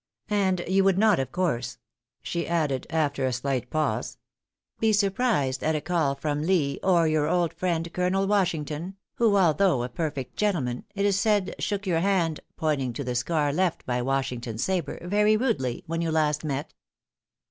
And you would not of course," she added, after a slight pause, "be surprised at a call from Lee, or your old friend Colonel Washington, who, although a perfect gentleman, it is said shook your hand (pointing to the scar left by Washington's sabre) very rudely, when you last met."